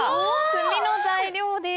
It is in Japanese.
墨の材料です。